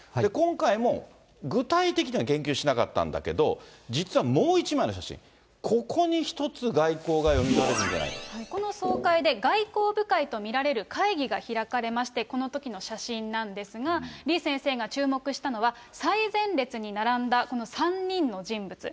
今回も具体的には言及しなかったんだけど、実はもう１枚の写真、ここに一つ、この総会で、外交部会と見られる会議が開かれまして、このときの写真なんですが、李先生が注目したのは、最前列に並んだこの３人の人物。